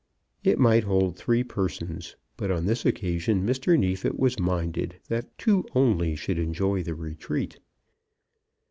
It might hold three persons, but on this occasion Mr. Neefit was minded that two only should enjoy the retreat.